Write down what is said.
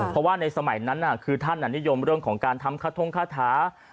เพราะว่าในสมัยนั้นคือท่านนิยมเรื่องของการทำคาทงคาถา